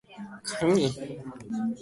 ニューメキシコ州の州都はサンタフェである